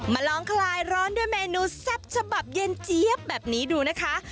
ลองคลายร้อนด้วยเมนูแซ่บฉบับเย็นเจี๊ยบแบบนี้ดูนะคะ